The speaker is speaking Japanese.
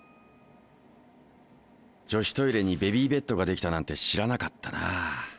女子トイレにベビーベッドができたなんて知らなかったな。